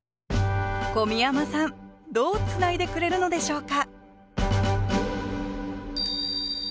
小宮山さんどうつないでくれるのでしょうか？